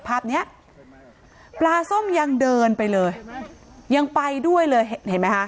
ภาพเนี้ยปลาส้มยังเดินไปเลยยังไปด้วยเลยเห็นไหมคะ